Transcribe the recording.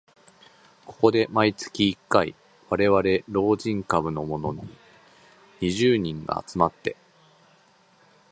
ここで毎月一回、われわれ老人株のもの二十数人が集まって